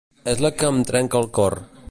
És la que em trenca el cor.